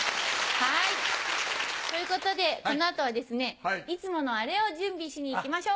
ということでこの後はですねいつものあれを準備しに行きましょう。